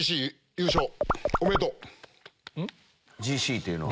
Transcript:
ＧＣっていうのは？